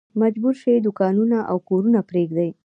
مجبور شي دوکانونه او کورونه پرېږدي.